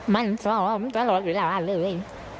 มันซ้อมตลอดเวลาเลย